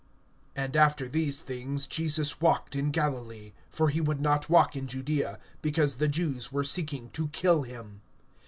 AND after these things Jesus walked in Galilee; for he would not walk in Judaea, because the Jews were seeking to kill him.